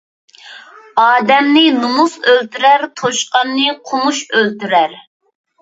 ئادەمنى نومۇس ئۆلتۈرەر، توشقاننى قومۇش ئۆلتۈرەر.